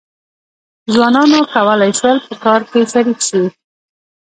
ځوانانو کولای شول په کار کې شریک شي.